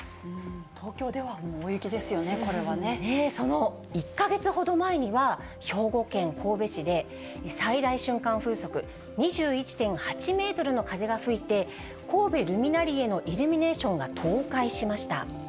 東京ではもう大雪ですよね、そう、その１か月ほど前には、兵庫県神戸市で、最大瞬間風速２１．８メートルの風が吹いて、神戸ルミナリエのイルミネーションが倒壊しました。